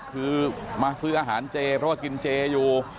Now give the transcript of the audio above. คือมาซื้ออาหารเจเพราะว่ากินเจอยู่